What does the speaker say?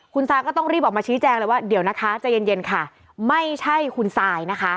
คุณซายก็ต้องรีบออกมาชี้แจงเลยว่าเดี๋ยวนะคะใจเย็นเย็นค่ะไม่ใช่คุณซายนะคะ